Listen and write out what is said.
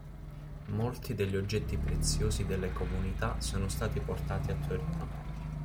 Molti degli oggetti preziosi delle comunità sono stati portati a Torino.